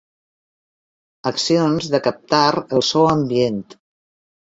Accions de captar el so ambient.